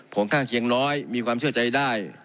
ข้างเคียงน้อยมีความเชื่อใจได้